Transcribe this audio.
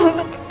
iya mama betul